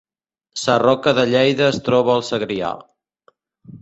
Sarroca de Lleida es troba al Segrià